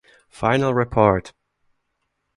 Final report.